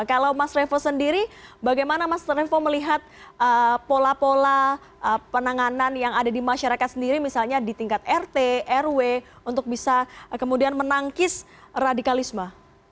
kalau mas revo sendiri bagaimana mas revo melihat pola pola penanganan yang ada di masyarakat sendiri misalnya di tingkat rt rw untuk bisa kemudian menangkis radikalisme